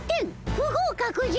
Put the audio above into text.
不合格じゃ。